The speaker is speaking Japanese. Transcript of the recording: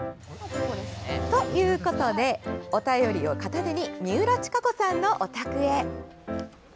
ということでお便りを片手に三浦親子さんのお宅へ。